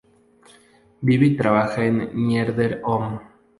Vive y trabaja en Nieder-Olm.